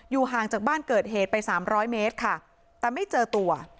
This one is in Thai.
ห่างจากบ้านเกิดเหตุไปสามร้อยเมตรค่ะแต่ไม่เจอตัว